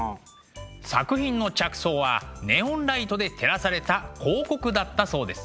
作品の着想はネオンライトで照らされた広告だったそうです。